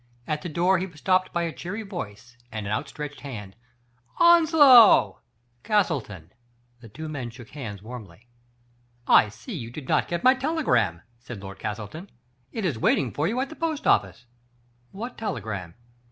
At the door he was stopped by a cheery voice and an outstretched hand :" Onslow !"" Castleton !" The two men shook hands warmly. I see you did not get my telegram," said Lord Castleton. " It is waiting for you at the post office." "What telegram?"